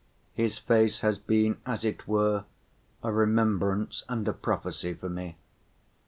His face has been as it were a remembrance and a prophecy for me.